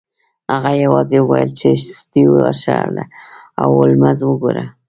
هغه یوازې وویل چې سټیو ورشه او هولمز وګوره